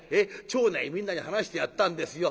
町内みんなに話してやったんですよ。